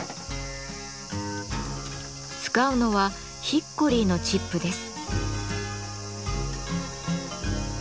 使うのはヒッコリーのチップです。